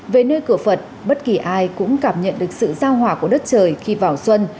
về nơi cửa phật bất kỳ ai cũng cảm nhận được sự giao hòa của đất trời khi vào xuân